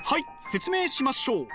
説明しましょう。